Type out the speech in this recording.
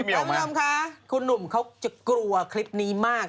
จำคะคุณหนุ่มเขากลัวคลิปนี้มาก